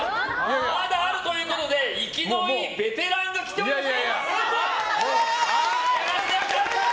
まだあるということで生きのいいベテランが来ております！